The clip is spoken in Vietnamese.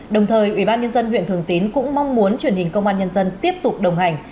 đồng thời ủy ban nhân dân huyện thường tín cũng mong muốn truyền hình công an nhân dân tiếp tục đồng hành